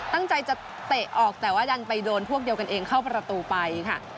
ตั้งใจจะเตะออกแต่ว่าดันไปโดนพวกเดียวกันเองเข้าประตูไปค่ะ